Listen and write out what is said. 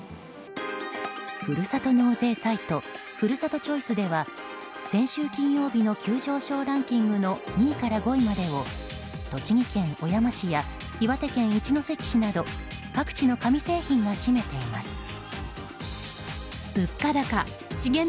ふるさと納税サイトふるさとチョイスでは先週金曜日の急上昇ランキングの２位から５位までを栃木県小山市や岩手県一関市など各地の紙製品が占めています。